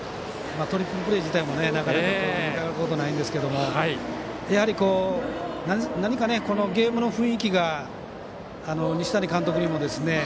トリプルプレー自体もなかなか見ることができないんですがやはり何かこのゲームの雰囲気が西谷監督にも。